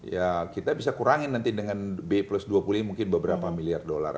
ya kita bisa kurangi nanti dengan b plus dua puluh mungkin beberapa miliar dollar